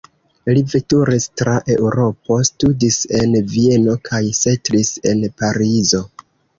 Li veturis tra Eŭropo, studis en Vieno kaj setlis en Parizo.